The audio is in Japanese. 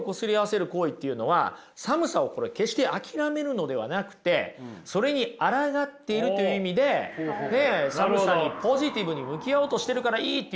行為っていうのは寒さを決して諦めるのではなくてそれにあらがっているという意味で寒さにポジティブに向き合おうとしてるからいいっていうふうに言うわけですよ。